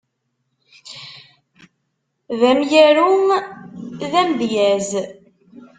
D amyaru, d amdyaz.